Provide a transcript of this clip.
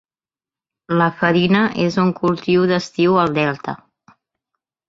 La farina és un cultiu d'estiu al delta.